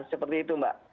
seperti itu mbak